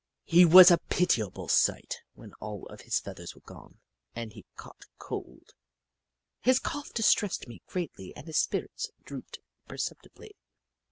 He was a pitiful sight when all of his feathers were gone, and he caught cold. His cough distressed me greatly and his spirits drooped perceptibly.